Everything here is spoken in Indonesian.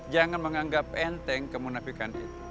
jangan menganggap enteng kemunafikan itu